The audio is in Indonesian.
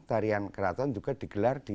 tarian keraton juga digelar di